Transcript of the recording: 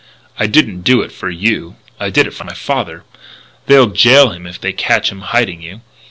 "I didn't do it for you; I did it for my father. They'll jail him if they catch him hiding you.